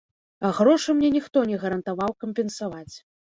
А грошы мне ніхто не гарантаваў кампенсаваць.